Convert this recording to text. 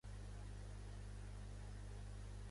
Ésser algú ben intencionat, mal intencionat.